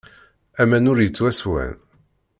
Aman ur yettwasswan.